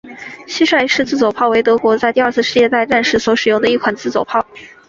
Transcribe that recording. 蟋蟀式自走炮为德国在第二次世界大战时所使用的一款自走炮。